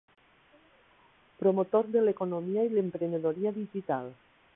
Promotor de l'economia i l'emprenedoria digital.